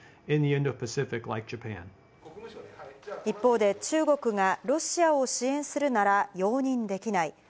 一方で、中国がロシアを支援するなら容認できない。